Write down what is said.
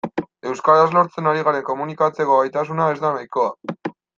Euskaraz lortzen ari garen komunikatzeko gaitasuna ez da nahikoa.